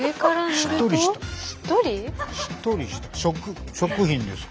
しっとりした食品ですか？